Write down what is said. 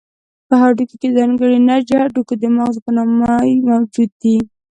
په هډوکو کې ځانګړی نسج د هډوکو د مغزو په نامه موجود دی.